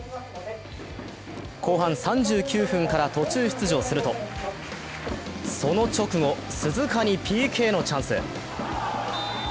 後半３９分から途中出場すると、その直後、鈴鹿にＰＫのチャンス。